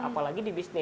apalagi di bisnis